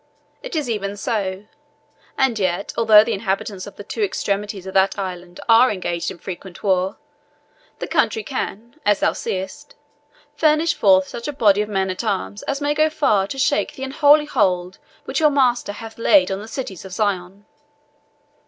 "It is even so; and yet, although the inhabitants of the two extremities of that island are engaged in frequent war, the country can, as thou seest, furnish forth such a body of men at arms as may go far to shake the unholy hold which your master hath laid on the cities of Zion."